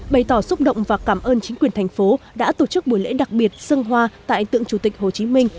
bày tỏ xúc động và cảm ơn chính quyền thành phố đã tổ chức buổi lễ đặc biệt dân hoa tại tượng chủ tịch hồ chí minh